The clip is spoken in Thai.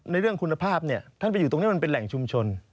ในเรื่องคุณภาพเนี่ยท่านไปอยู่ตรงนี้มันเป็นแหล่งชุมชน